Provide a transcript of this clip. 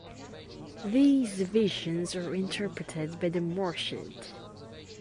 These visions are interpreted by the "murshid".